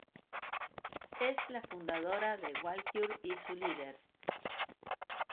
Es la fundadora de Walküre y su líder.